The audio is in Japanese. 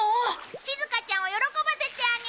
しずかちゃんを喜ばせてあげよう。